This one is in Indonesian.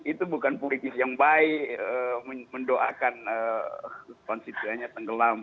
itu bukan politik yang baik mendoakan konsistenya tenggelam